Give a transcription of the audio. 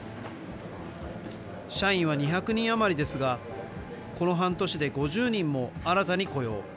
社員は２００人余りですが、この半年で５０人も新たに雇用。